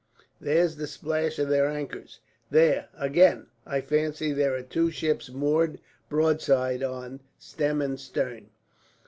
There's the splash of their anchors. There, again! I fancy there are two ships moored broadside on, stem and stern."